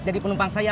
jadi penumpang saya